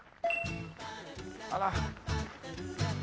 あら。